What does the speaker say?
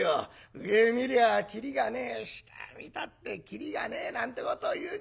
上見りゃ切りがねえ下見たって切りがねえなんてことを言うじゃねえか。